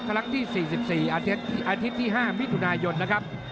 ครั้งที่๔๔อาทิตย์ที่๕มิถุนายนนะครับ